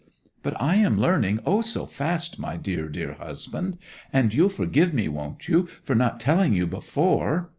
But I am learning, O so fast, my dear, dear husband! And you'll forgive me, won't you, for not telling you before?